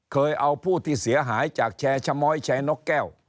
เคยเอาผู้ที่เสียหายจากแชร์ชะม้อยแชร์นกแก้ว